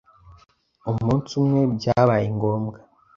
umunsi umwe byabaye ngombwa